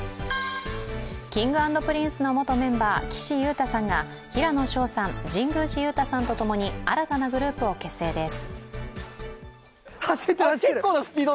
Ｋｉｎｇ＆Ｐｒｉｎｃｅの元メンバー、岸優太さんが平野紫耀さん、神宮寺勇太さんとともに新たなグループを結成です。